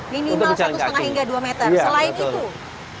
minimal satu setengah hingga dua meter